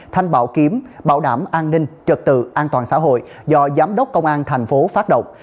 thanh bảo kiếm bảo đảm an ninh trật tự an toàn xã hội do giám đốc công an thành phố phát động